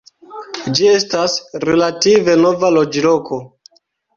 Ĝi estas relative nova loĝloko.